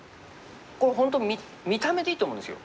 こう本当見た目でいいと思うんですよ。